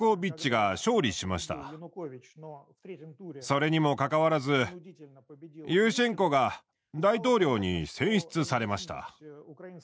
それにもかかわらずユーシェンコが大統領に選出されました。